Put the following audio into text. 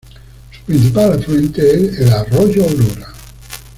Su principal afluente es el Arroyo Aurora.